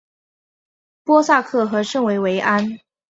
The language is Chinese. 波萨克和圣维维安。